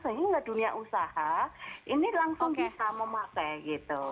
sehingga dunia usaha ini langsung bisa memakai gitu